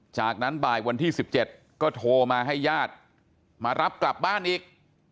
จากนั้นบ่ายวันที่๑๗ก็โทรมาให้ญาติมารับกลับบ้านอีก